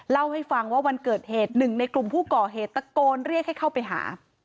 เล่าให้ฟังว่าวันเกิดเหตุหนึ่งในกลุ่มผู้ก่อเหตุตะโกนเรียกให้เข้าไปหา